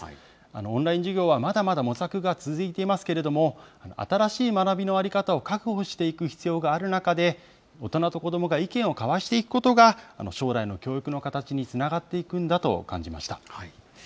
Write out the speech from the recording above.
オンライン授業はまだまだ模索が続いていますけれども、新しい学びの在り方を確保していく必要がある中で、大人と子どもが意見を交わしていくことが、将来の教育の形につながっていくんだと感じました。